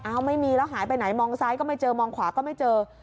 ไม่มีแล้วหายไปไหนมองซ้ายก็ไม่เจอมองขวาก็ไม่เจอ